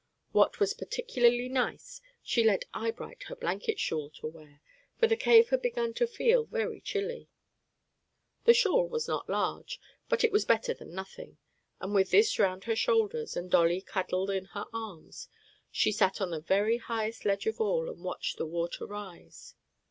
What was particularly nice, she lent Eyebright her blanket shawl to wear, for the cave had begun to feel very chilly. The shawl was not large, but it was better than nothing; and with this round her shoulders, and Dolly cuddled in her arms, she sat on the very highest ledge of all and watched the water rise.